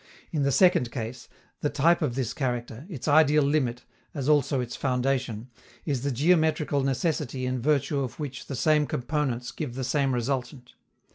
In the second case, the type of this character, its ideal limit, as also its foundation, is the geometrical necessity in virtue of which the same components give the same resultant.